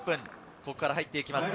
ここから入ってきます